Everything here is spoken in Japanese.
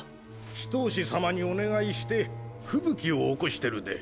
祈祷師様にお願いして吹雪を起こしてるで。